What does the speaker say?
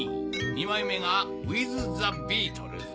２枚目が『ウィズ・ザ・ビートルズ』。